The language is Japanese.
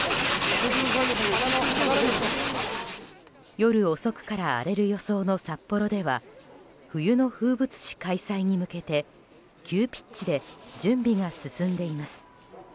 夜遅くから荒れる予想の札幌では冬の風物詩開催に向けて急ピッチで準備が進んでいます。